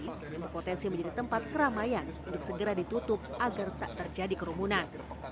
ini berpotensi menjadi tempat keramaian untuk segera ditutup agar tak terjadi kerumunan